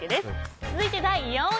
続いて第４位。